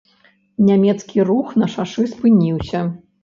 Нямецкі рух на шашы спыніўся.